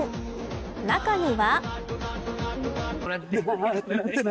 中には。